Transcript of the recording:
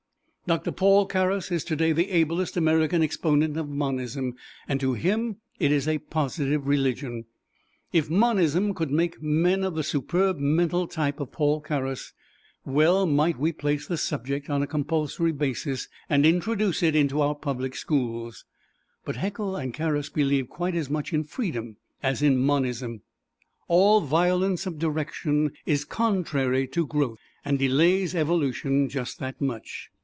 Doctor Paul Carus is today the ablest American exponent of Monism, and to him it is a positive religion. If Monism could make men of the superb mental type of Paul Carus, well might we place the subject on a compulsory basis and introduce it into our public schools. But Haeckel and Carus believe quite as much in freedom as in Monism. All violence of direction is contrary to growth, and delays evolution just that much.